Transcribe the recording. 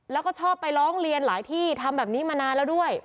แล้วก็ชอบไปร้องเรียนหลายที่ทำแบบนี้มานานแล้วด้วย